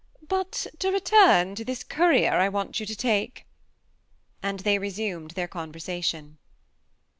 But, to return to this courier, I want you to take" and 'they resumed their conversation.